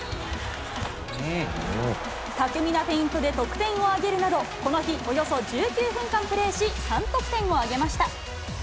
巧みなフェイントで得点を挙げるなど、この日、およそ１９分間プレーし、３得点を挙げました。